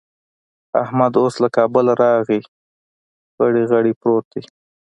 احمد اوس له کابله راغی؛ غړي غړي پروت دی.